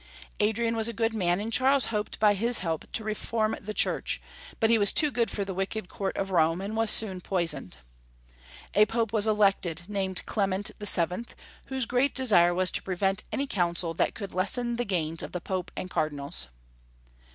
Adrian was a good man, and Charles hoped by his help to reform the Church, but he was too good for the wicked court of Rome, and was soon poisoned. A Pope was elected, named Clement VII., whose great desire was to prevent any council that could lessen the gains of the Pope and Cardinals.